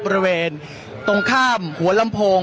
บริเวณตรงข้ามหัวลำโพง